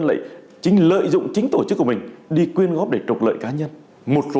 lại chính lợi dụng chính tổ chức của mình đi quyên góp để trục lợi cá nhân một số